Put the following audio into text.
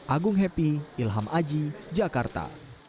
agung happy ilham aji jakarta